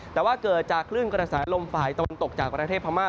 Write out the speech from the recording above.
แต่ว่าเกิดจากคลื่นกระสาหร่งลมฝ่ายต้นตกจากประเทศพระม่า